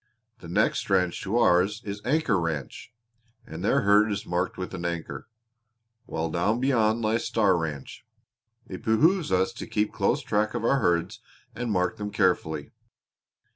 The next ranch to ours is Anchor Ranch, and their herd is marked with an anchor, while down beyond lies Star Ranch. It behooves us to keep close track of our herds and mark them carefully.